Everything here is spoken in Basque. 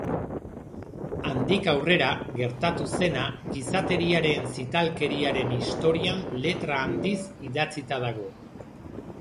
Handik aurrera gertatu zena gizateriaren zitalkeriaren historian letra handiz idatzita dago.